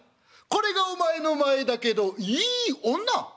これがお前の前だけどいい女」。